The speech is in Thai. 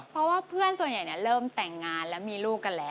เพราะว่าเพื่อนส่วนใหญ่เริ่มแต่งงานแล้วมีลูกกันแล้ว